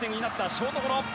ショートゴロ。